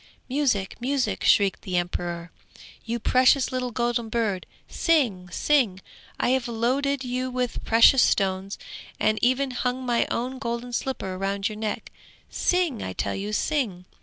'Music, music!' shrieked the emperor. 'You precious little golden bird, sing, sing! I have loaded you with precious stones, and even hung my own golden slipper round your neck; sing, I tell you, sing!'